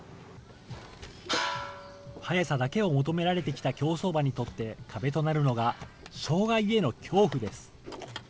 速さだけを求められてきた競走馬にとって、壁となるのが障害への恐怖です。